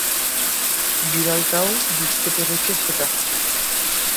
বিড়ালটাও বুঝতে পেরেছে সেটা।